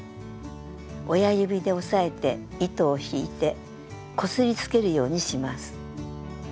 親指で押さえて糸を引いてこすりつけるようにします。